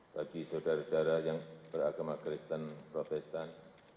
bagi saudara saudara yang beragama kristen protestan